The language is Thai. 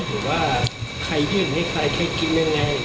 หรือว่าใครยื่นให้ใครใครกินยังไง